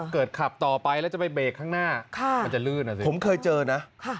ขับต่อไปแล้วจะไปเบรกข้างหน้ามันจะลื่นอ่ะสิผมเคยเจอนะ